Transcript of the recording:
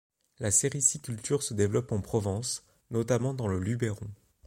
La sériciculture se développe en Provence, notamment dans le Luberon.